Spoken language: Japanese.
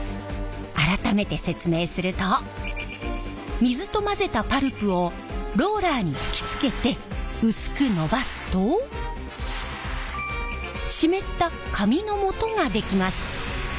改めて説明すると水と混ぜたパルプをローラーに吹きつけて薄くのばすと湿った紙のもとができます。